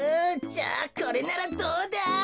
じゃあこれならどうだ？